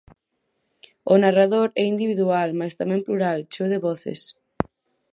O narrador é individual máis tamén plural, cheo de voces.